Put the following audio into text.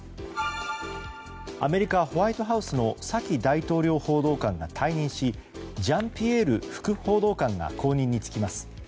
アメリカホワイトハウスのサキ大統領報道官が退任しジャンピエール副報道官が後任に就きます。